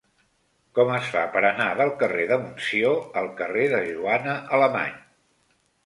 Com es fa per anar del carrer de Montsió al carrer de Joana Alemany?